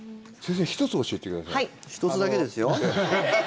１つだけですよ。